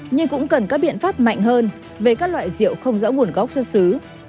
nhưng cũng cần các biện pháp mạnh hơn về các loại rượu không rõ nguồn gốc xuất xứ